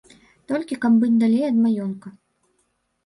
Толькі каб быць далей ад маёнтка.